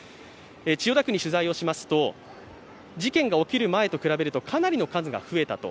千代田区に取材をしますと事件が起きる前と比べるとかなりの数が増えたと。